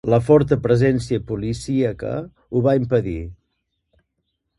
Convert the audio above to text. La forta presència policíaca ho va impedir.